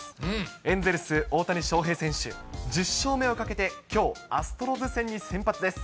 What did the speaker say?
エンゼルス、大谷翔平選手、１０勝目をかけて、きょう、アストロズ戦に先発です。